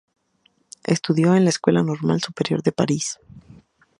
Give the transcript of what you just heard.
Estudió en la Escuela Normal Superior de París.